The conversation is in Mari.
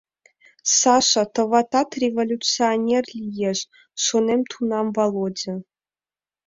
«Саша, товатат, революционер лиеш», — шонен тунам Володя.